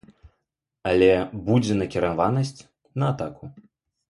Але будзе накіраванасць на атаку.